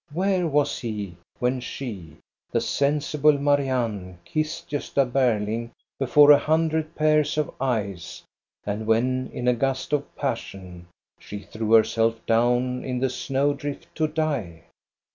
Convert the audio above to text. Where was he when she, the sensible Marianne, kissed Gosta Berling before a hundred pairs of eyes, and when in a gust of passion she threw herself down in the snow drift to die?